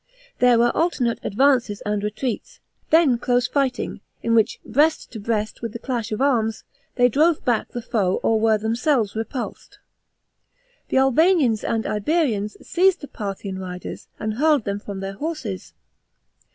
There were alternate advances and retreats, then close fighting, in which, breast to breast, with the clash of arms, they drove back the foe or were themselves repulsed. The Albanians and Iberians f eized the Par thian riders, and hurled them from their horses.